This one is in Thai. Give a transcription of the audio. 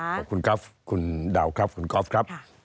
ขอบคุณครับคุณดาวครับคุณก๊อฟครับ